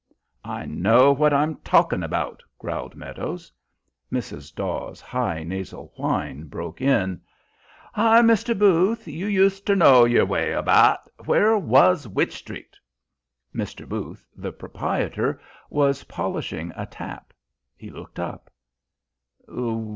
"I know what I'm talkin' about," growled Meadows. Mrs. Dawes's high nasal whine broke in: "Hi, Mr. Booth, you used ter know yer wye abaht. Where was Wych Street?" Mr. Booth, the proprietor, was polishing a tap. He looked up.